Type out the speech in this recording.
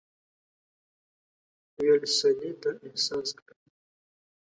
ویلسلي دا احساس کړه.